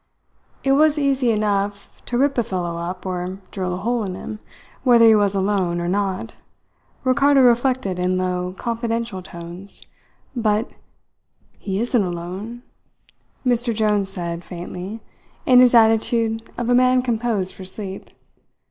It was easy enough to rip a fellow up or drill a hole in him, whether he was alone or not, Ricardo reflected in low, confidential tones, but "He isn't alone," Mr. Jones said faintly, in his attitude of a man composed for sleep.